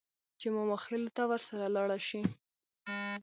چې ماماخېلو ته ورسره لاړه شي.